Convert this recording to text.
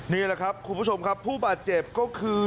นี่แหละครับคุณผู้ชมครับผู้บาดเจ็บก็คือ